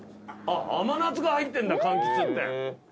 甘夏が入ってんだかんきつって。